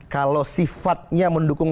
kalau sifatnya mendukung